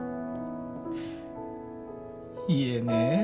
言えねえよ。